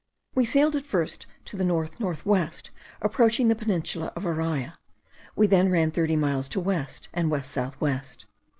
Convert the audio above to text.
We sailed at first to north north west, approaching the peninsula of Araya; we then ran thirty miles to west and west south west.